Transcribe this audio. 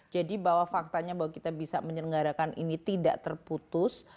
jadi bahwa faktanya bahwa kita bisa menyelenggarakan ini tidak terputus